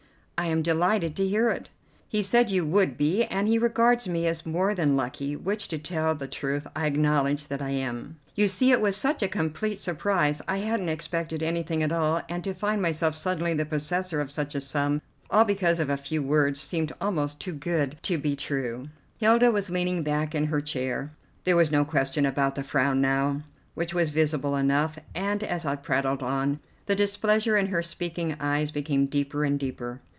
"I am delighted to hear it." "He said you would be, and he regards me as more than lucky, which, to tell the truth, I acknowledge that I am. You see it was such a complete surprise. I hadn't expected anything at all, and to find myself suddenly the possessor of such a sum, all because of a few words, seemed almost too good to be true." Hilda was leaning back in her chair; there was no question about the frown now, which was visible enough, and, as I prattled on, the displeasure in her speaking eyes became deeper and deeper.